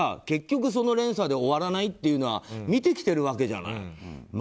結局その連鎖で終わらないっていうのは見てきてるわけじゃない。